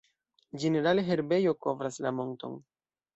Ĝenerale herbejo kovras la monton.